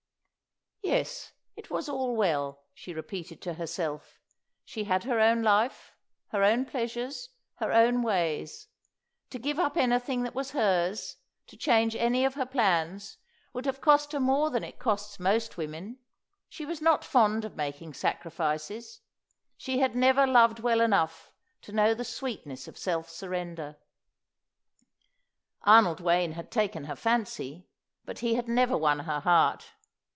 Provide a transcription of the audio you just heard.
Yes, it was all well, she repeated to herself; she had her own life, her own pleasures, her own ways; to give up anything that was hers, to change any of her plans, would have cost her more than it costs most women. She was not fond of making sacrifices; she had never loved well enough to know the sweetness of self surrender. Arnold Wayne had taken her fancy, but he had never won her heart.